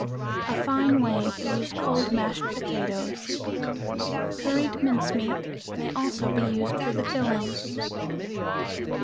Fine way to use cold mashed potatoes. Curried mincemeat may also be used for the filling.